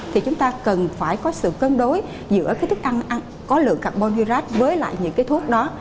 thì chúng ta cần phải có sự cân đối giữa cái thức ăn có lượng carbon hydrate với lại những cái thuốc đó